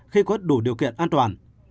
khi có đủ điều kiện an toàn